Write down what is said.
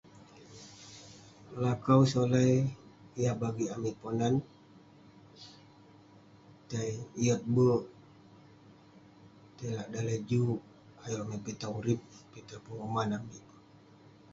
Lakau solai yah bagik amik Ponan, tai yot be'ek. Tai lak daleh juk, ayuk amik pitah urip, pitah penguman amik.